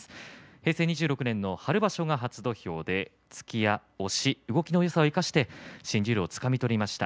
平成２６年の春場所が初土俵で突きや押し動きのよさを生かして新十両をつかみ取りました。